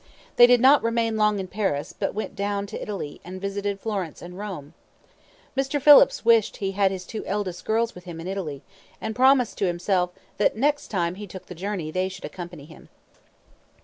They did not remain long in Paris, but went down to Italy, and visited Florence and Rome. Mr. Phillips wished he had had his two eldest girls with him in Italy, and promised to himself that next time he took the journey they should accompany him.